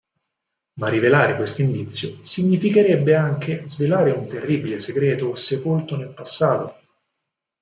Ma rivelare questo indizio significherebbe anche svelare un terribile segreto sepolto nel passato.